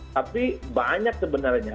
tapi banyak sebenarnya